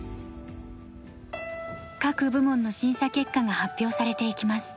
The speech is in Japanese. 各部門の審査結果が発表されていきます。